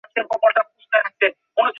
আমাদের মেয়ে লন্ডন থেকে প্রস্তাব পাচ্ছে।